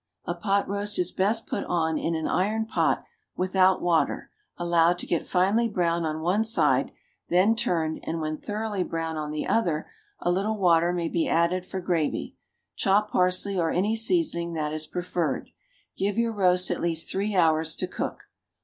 A pot roast is best put on in an iron pot, without water, allowed to get finely brown on one side, then turned, and when thoroughly brown on the other a little water may be added for gravy; chop parsley or any seasoning that is preferred. Give your roast at least three hours to cook.